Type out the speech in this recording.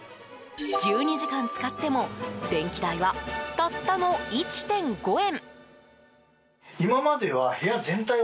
１２時間使っても電気代は、たったの１．５円。